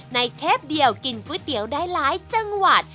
เทปเดียวกินก๋วยเตี๋ยวได้หลายจังหวัด